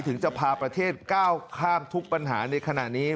ถึงจะพาประเทศก้าวข้ามทุกปัญหาในขณะนี้